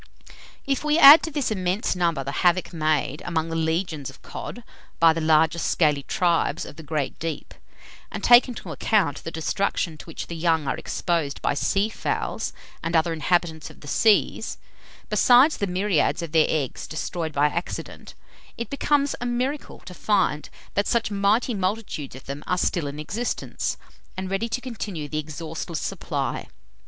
If we add to this immense number, the havoc made among the legions of cod by the larger scaly tribes of the great deep, and take into account the destruction to which the young are exposed by sea fowls and other inhabitants of the seas, besides the myriads of their eggs destroyed by accident, it becomes a miracle to find that such mighty multitudes of them are still in existence, and ready to continue the exhaustless supply.